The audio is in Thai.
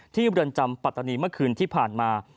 เมืองจำปัตตานีเมื่อคืนที่ผ่านมา